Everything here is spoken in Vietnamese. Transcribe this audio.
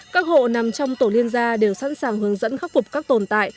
các hộ nằm trong tổ liên gia đều sẵn sàng hướng dẫn khắc phục các tồn tại